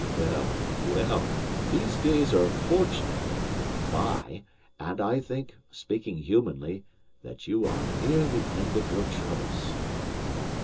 Well, well, these days are fortunately by; and I think (speaking humanly) that you are near the end of your troubles."